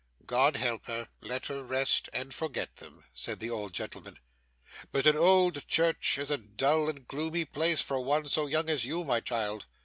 'God help her. Let her rest, and forget them,' said the old gentleman. 'But an old church is a dull and gloomy place for one so young as you, my child.